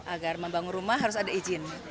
agar membangun rumah harus ada izin